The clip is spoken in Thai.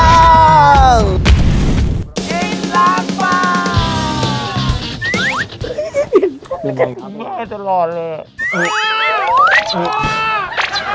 ทำไมถึงเหมือนทำลายครับ